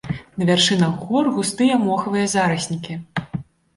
На вяршынях гор густыя мохавыя зараснікі.